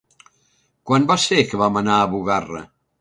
Quan va ser que vam anar a Bugarra?